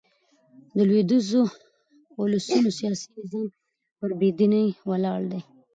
د لوېدیځو اولسونو سیاسي نظام پر بې دينۍ ولاړ دئ.